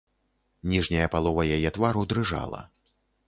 Ніжняя палова яе твару дрыжала.